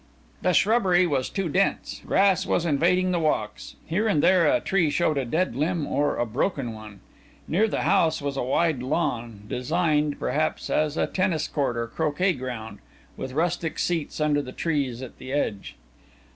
The shrubbery was too dense, grass was invading the walks, here and there a tree showed a dead limb or a broken one. Near the house was a wide lawn, designed, perhaps, as a tennis court or croquet ground, with rustic seats under the trees at the edge.